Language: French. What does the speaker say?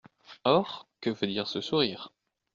Or que veut dire ce sourire ?